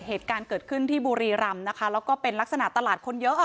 เหตุการณ์เกิดขึ้นที่บุรีรำนะคะแล้วก็เป็นลักษณะตลาดคนเยอะอ่ะ